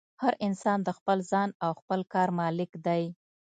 هر انسان د خپل ځان او خپل کار مالک دی.